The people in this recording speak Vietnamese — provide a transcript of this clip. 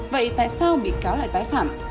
vậy tại sao bị cáo lại tái phạm